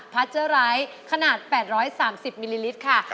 พาเจอร์ไร้ขนาด๘๓๐มิลลิลิตรค่ะ